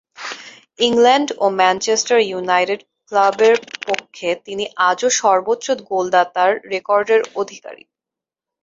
England ও Manchester United ক্লাবের পক্ষে তিনি আজও সর্বোচ্চ গোলদাতার রেকর্ডের অধিকারী।